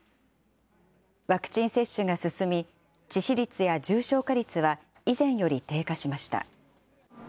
ワクチン接種が進み、致死率や重症化率は以前より低下しました。